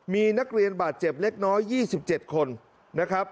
มีนักเรียนบาดเจ็บเล็กน้อย๒๗คนนะครับ